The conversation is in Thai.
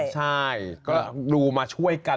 ใช่ก็ดูมาช่วยกัน